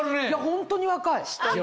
ホントに若い。